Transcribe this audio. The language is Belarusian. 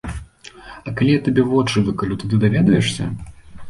А калі я табе вочы выкалю, тады даведаешся?